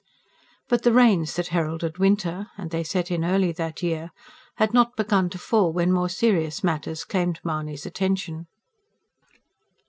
But the rains that heralded winter and they set in early that year had not begun to fall when more serious matters claimed Mahony's attention.